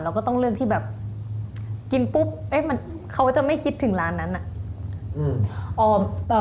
ก็ต้องเลือกที่แบบกินปุ๊บมันเขาจะไม่คิดถึงร้านนั้นน่ะอืม